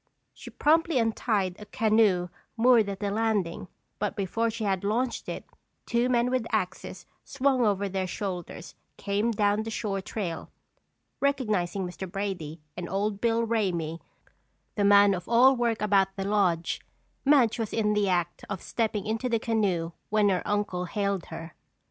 She promptly untied a canoe moored at the landing but before she could launch it two men with axes swung over their shoulders came down the shore trail. Recognizing Mr. Brady and Old Bill Ramey, the man of all work about the lodge, Madge was in the act of stepping into the canoe when her uncle hailed her.